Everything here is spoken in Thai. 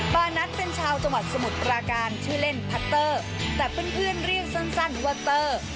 นัทเป็นชาวจังหวัดสมุทรปราการชื่อเล่นพัตเตอร์แต่เพื่อนเรียกสั้นว่าเตอร์